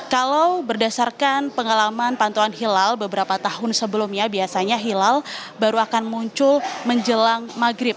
kalau berdasarkan pengalaman pantauan hilal beberapa tahun sebelumnya biasanya hilal baru akan muncul menjelang maghrib